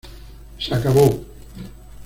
Se acabó.